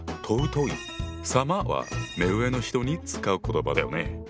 「様」は目上の人に使う言葉だよね。